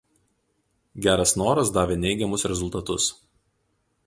Geras noras davė neigiamus rezultatus.